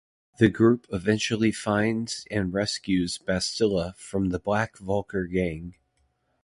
The group eventually finds and rescues Bastila from the Black Vulkar gang.